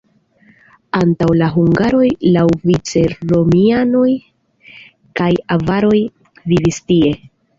Antaŭ la hungaroj laŭvice romianoj kaj avaroj vivis tie.